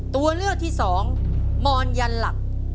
ตัวเลือกที่สองมอนยันหลัก